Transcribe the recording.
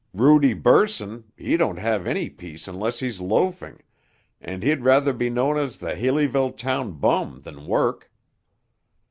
Rudy Bursin, he don't have any peace unless he's loafing, and he'd rather be known as the Haleyville town bum than work.